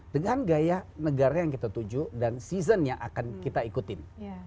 dengan gaya negara yang kita tuju dan season yang akan kita ikutin